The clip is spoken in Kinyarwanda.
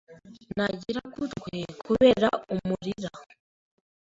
nagira ku utwe kubera umurira